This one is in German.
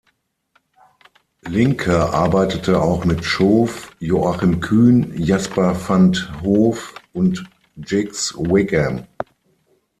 Linke arbeitete auch mit Schoof, Joachim Kühn, Jasper van’t Hof und Jiggs Whigham.